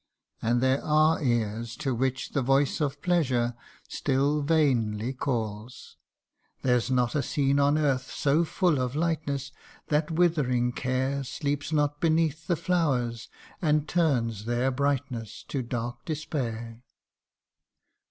And there are ears to which the voice of pleasure Still vainly calls ! There 's not a scene on earth so full of lightness That withering care Sleeps not beneath the flowers, and turns their brightness To dark despair